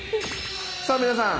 さあ皆さん